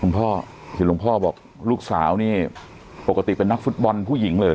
คุณพ่อคือหลวงพ่อบอกลูกสาวนี่ปกติเป็นนักฟุตบอลผู้หญิงเลย